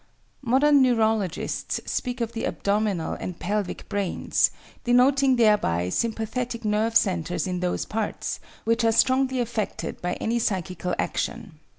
Modern neurologists speak of the abdominal and pelvic brains, denoting thereby sympathetic nerve centres in those parts which are strongly affected by any psychical action.